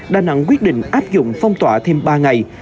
đà nẵng quyết định áp dụng phong tỏa thêm ba ngày